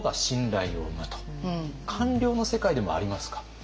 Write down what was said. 官僚の世界でもありますか？